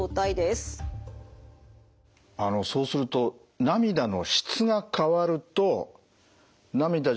あのそうすると涙の質が変わると涙自体